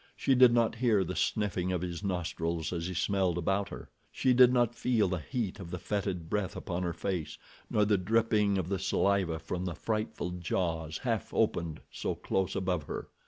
She did not hear the sniffing of his nostrils as he smelled about her. She did not feel the heat of the fetid breath upon her face, nor the dripping of the saliva from the frightful jaws half opened so close above her.